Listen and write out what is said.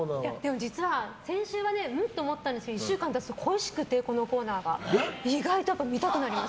実は先週はん？と思ったんですが１週間経つとこのコーナーが恋しくて意外と見たくなります。